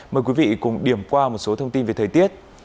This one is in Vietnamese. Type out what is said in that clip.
mời quý vị cùng điểm qua một số thông tin về thời tiết